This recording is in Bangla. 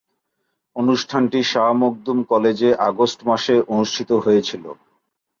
অনুষ্ঠানটি শাহ মখদুম কলেজে আগস্ট মাসে অনুষ্ঠিত হয়েছিলো।